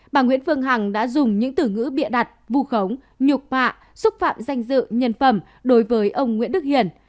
bà nguyễn phương hằng đã dùng những từ ngữ bịa đặt vù khống nhục mạ xúc phạm danh dự nhân phẩm đối với ông nguyễn đức hiển